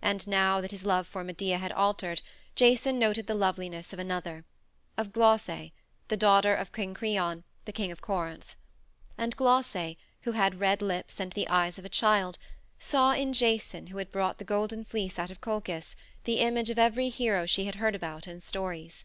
And now that his love for Medea had altered, Jason noted the loveliness of another of Glauce, the daughter of Creon, the King of Corinth. And Glauce, who had red lips and the eyes of a child, saw in Jason who had brought the Golden Fleece out of Colchis the image of every hero she had heard about in stories.